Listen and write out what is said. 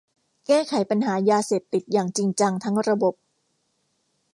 แก้ไขปัญหายาเสพติดอย่างจริงจังทั้งระบบ